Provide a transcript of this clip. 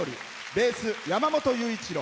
ベース、山本優一郎。